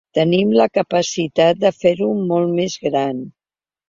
Tenim la capacitat de fer-ho molt més gran.